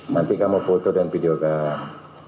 nanti kamu foto dan videokan